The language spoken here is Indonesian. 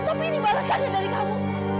tapi ini balasannya dari kamu